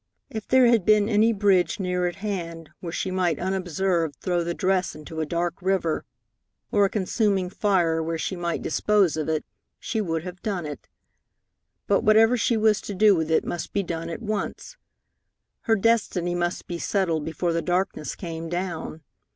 If there had been any bridge near at hand where she might unobserved throw the dress into a dark river, or a consuming fire where she might dispose of it, she would have done it. But whatever she was to do with it must be done at once. Her destiny must be settled before the darkness came down.